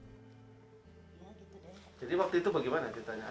jadi waktu itu bagaimana